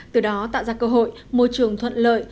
từ đó tạo ra cơ hội môi trường thuận lợi